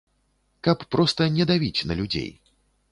Каб проста не давіць на людзей.